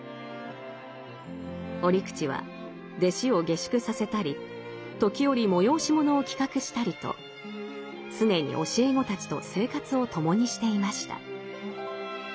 折口は弟子を下宿させたり時折催し物を企画したりと常に教え子たちと生活を共にしていました。